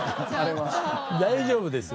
大丈夫です。